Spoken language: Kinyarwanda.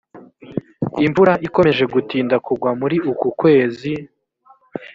imvura ikomeje gutinda kugwa muri uku kwezi